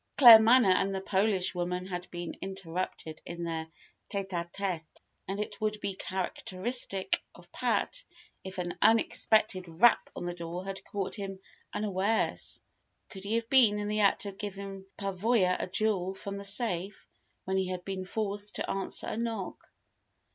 Claremanagh and the Polish woman had been interrupted in their tête à tête, and it would be characteristic of Pat if an unexpected rap on the door had caught him unawares. Could he have been in the act of giving Pavoya a jewel from the safe when he had been forced to answer a knock?